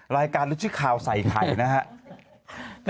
รายการเราชื่อข่าวใส่ไข่นะฮะ